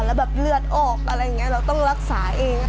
แล้วแบบเลือดออกอะไรอย่างนี้เราต้องรักษาเอง